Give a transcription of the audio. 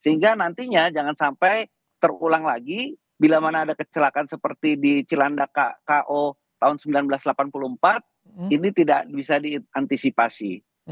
sehingga nantinya jangan sampai terulang lagi bila mana ada kecelakaan seperti di cilanda kko tahun seribu sembilan ratus delapan puluh empat ini tidak bisa diantisipasi